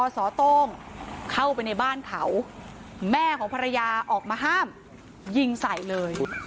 สโต้งเข้าไปในบ้านเขาแม่ของภรรยาออกมาห้ามยิงใส่เลย